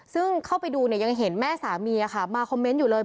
ซึ่งเข้าไปดูเนี่ยยังเห็นแม่สามีมาคอมเมนต์อยู่เลย